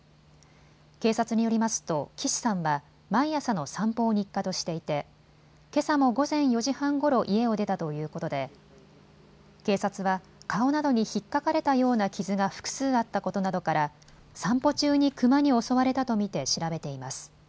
警察によりますと岸さんは毎朝の散歩を日課としていてけさも午前４時半ごろ家を出たということで警察は顔などにひっかかれたような傷が複数あったことなどから散歩中にクマに襲われたと見て調べています。